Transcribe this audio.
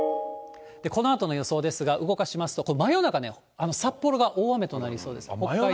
このあとの予想ですが、動かしますと、真夜中、札幌が大雨となりそうです。